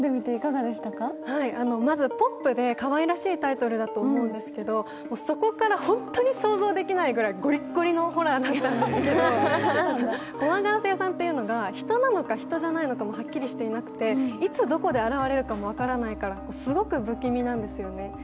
まずポップでかわいらしいタイトルだと思うんですけど、そこから本当に想像できないくらいゴリッゴリのホラーだったんですけれども、怖ガラセ屋サンというのが人なのか人じゃないのかもはっきりしていなくて、いつ、どこで現れるかも分からないからすごく不気味なんですよね。